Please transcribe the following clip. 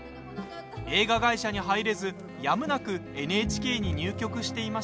映画会社に入れず、やむなくＮＨＫに入局していました。